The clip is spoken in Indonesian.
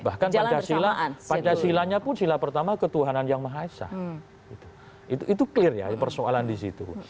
bahkan pancasilanya pun silapertama ketuhanan yang mahasiswa itu clear ya persoalan di situ